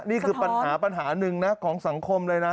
นี่คือปัญหาปัญหาหนึ่งนะของสังคมเลยนะ